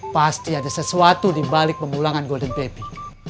pasti ada sesuatu dibalik pemulangan golden pappy